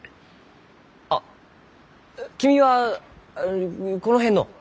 あっ君はこの辺の？